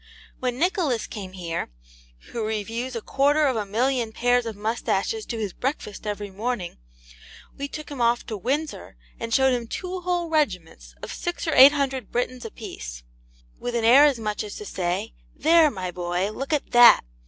When Nicholas came here, who reviews a quarter of a million of pairs of moustaches to his breakfast every morning, we took him off to Windsor and showed him two whole regiments of six or eight hundred Britons a piece, with an air as much as to say, 'There, my boy, look at THAT.